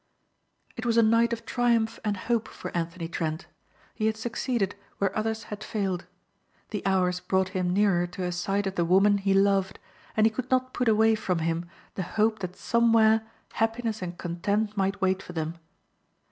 It was a night of triumph and hope for Anthony Trent. He had succeeded where others had failed. The hours brought him nearer to a sight of the woman he loved and he could not put away from him the hope that somewhere happiness and content might wait for them.